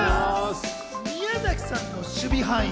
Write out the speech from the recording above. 宮崎さんの守備範囲